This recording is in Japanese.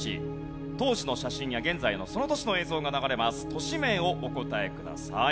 都市名をお答えください。